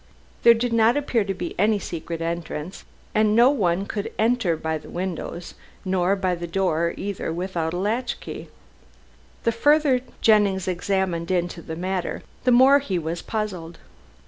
There did not appear to be any secret entrance, and no one could enter by the windows; nor by the door either without a latch key. The further Jennings examined into the matter, the more he was puzzled.